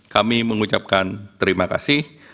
kami mengucapkan terima kasih